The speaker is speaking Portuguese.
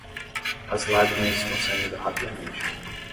As lágrimas estão saindo rapidamente.